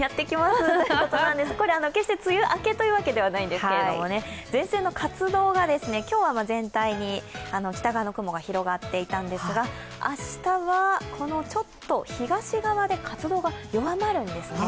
これは決して梅雨明けということではないんですけれども、前線の活動が今日は全体に北側の雲が広がっていたんですが明日はこのちょっと東側で活動が弱まるんですね。